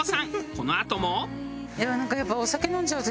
このあとも。